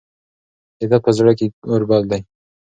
د ده په زړه کې اور بل دی.